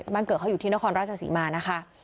บ้านเกิดเขาอยู่ที่นครราชศรีมานะคะ